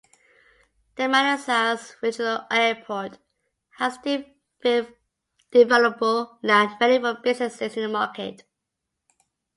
The Manassas Regional Airport has developable land ready for businesses in the market.